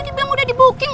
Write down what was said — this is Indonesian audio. dibang udah di booking